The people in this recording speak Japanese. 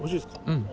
うん。